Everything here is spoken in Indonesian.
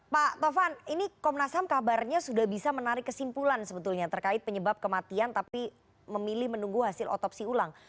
pak tovan ini komnas ham kabarnya sudah bisa menarik kesimpulan sebetulnya terkait penyebab kematian tapi memilih menunggu hasil otopsi ulang